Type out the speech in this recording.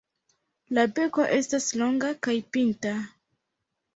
La beko estas longa kaj pinta.